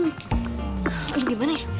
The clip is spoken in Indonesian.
aduh gimana ya